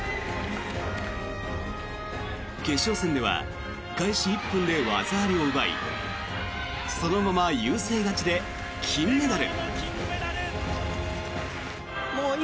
決勝戦では開始１分で技ありを奪いそのまま優勢勝ちで金メダル。